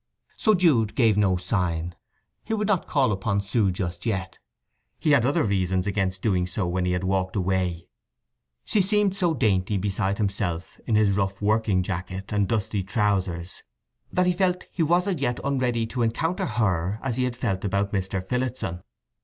So Jude gave no sign. He would not call upon Sue just yet. He had other reasons against doing so when he had walked away. She seemed so dainty beside himself in his rough working jacket and dusty trousers that he felt he was as yet unready to encounter her, as he had felt about Mr. Phillotson.